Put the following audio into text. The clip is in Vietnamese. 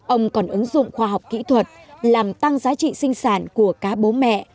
ông còn ứng dụng khoa học kỹ thuật làm tăng giá trị sinh sản của cá bố mẹ